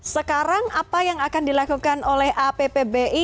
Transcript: sekarang apa yang akan dilakukan oleh appbi